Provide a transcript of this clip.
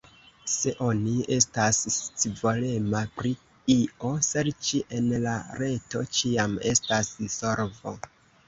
Se oni estas scivolema pri io, serĉi en la reto ĉiam estas solvo.